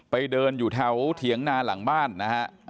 ไปเดินอยู่แถวเถียงนาหลังบ้านนะฮะ